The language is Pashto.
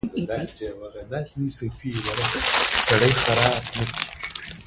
ژوند دخپل په خوښه وکړئ